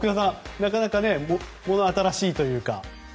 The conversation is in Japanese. なかなか新しいというか。